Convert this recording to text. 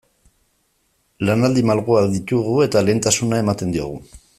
Lanaldi malguak ditugu eta lehentasuna ematen diogu.